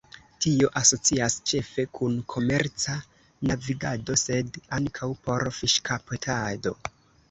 Tio asocias ĉefe kun komerca navigado sed ankaŭ por fiŝkaptado.